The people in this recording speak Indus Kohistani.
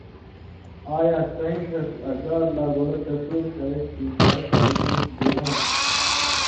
ایا څَیں ݜس اگار لا گولہ تصُور کرچھی، کس چے تُس گُیاں تھہ؟